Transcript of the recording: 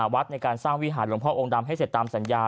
วัดในการสร้างวิหารหลวงพ่อองค์ดำให้เสร็จตามสัญญา